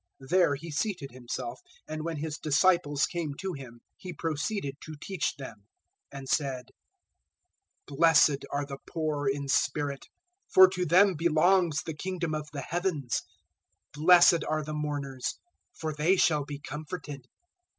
There He seated Himself, and when His disciples came to Him, 005:002 He proceeded to teach them, and said: 005:003 "Blessed are the poor in spirit, for to them belongs the Kingdom of the Heavens. 005:004 "Blessed are the mourners, for they shall be comforted.